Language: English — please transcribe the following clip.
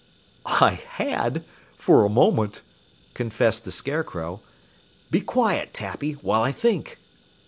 "I had for a moment," confessed the Scarecrow. "Be quiet, Tappy, while I think."